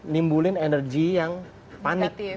nimbulin energi yang panik